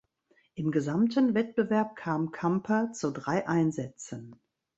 Im gesamten Wettbewerb kam Kamper zu drei Einsätzen.